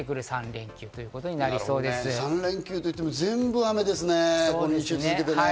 ３連休と言っても２週続けて全部雨ですね。